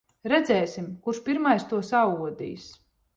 Redzēsim, kurš pirmais to saodīs.